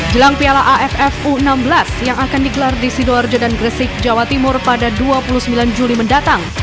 jelang piala aff u enam belas yang akan digelar di sidoarjo dan gresik jawa timur pada dua puluh sembilan juli mendatang